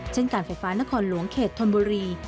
เช่นการไฟฟ้านนคนหลวงเขตถนบุรี